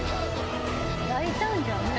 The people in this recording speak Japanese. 大胆じゃない？